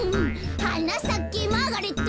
「はなさけマーガレット」